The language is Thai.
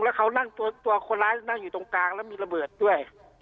แล้วเขานั่งตัวคนร้ายนั่งอยู่ตรงกลางแล้วมีระเบิดด้วย